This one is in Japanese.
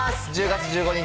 １０月１５日。